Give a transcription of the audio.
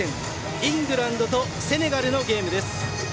イングランドとセネガルのゲームです。